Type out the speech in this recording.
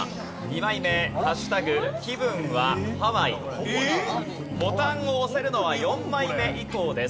２枚目ボタンを押せるのは４枚目以降です。